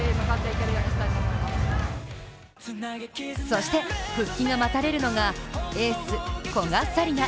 そして復帰が待たれるのがエース・古賀紗理那。